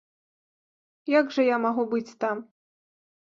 Як жа я магу быць там?